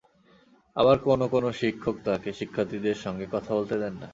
আবার কোনো কোনো শিক্ষক তাঁকে শিক্ষার্থীদের সঙ্গে কথা বলতে দেন না।